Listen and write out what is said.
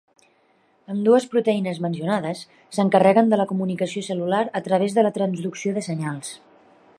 Ambdues proteïnes mencionades s'encarreguen de la comunicació cel·lular a través de la transducció de senyals.